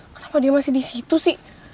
kenapa dia masih disitu sih